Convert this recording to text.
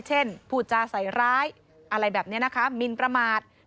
พูดจาใส่ร้ายอะไรแบบนี้นะคะมินประมาท